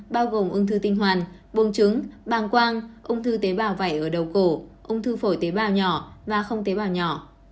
bao gồm ung thư tinh hoàn buồng trứng bàng quang ung thư tế bào vẩy ở đầu cổ ung thư phổi tế bào nhỏ và không tế bào nhỏ